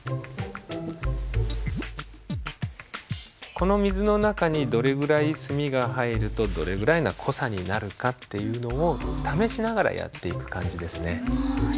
この水の中にどれぐらい墨が入るとどれぐらいな濃さになるかっていうのを試しながらやっていく感じですね。